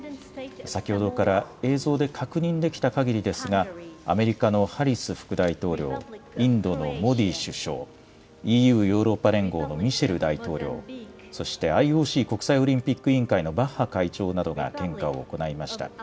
先ほどから映像で確認できたかぎりですが、アメリカのハリス副大統領、インドのモディ首相、ＥＵ・ヨーロッパ連合のミシェル大統領、そしてＩＯＣ・国際オリンピック委員会のバッハ会長などが献花を行いました。